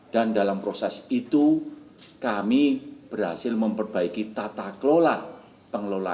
dan dalam proses itu kami berhasil memperbaiki tata kelola pengelolaan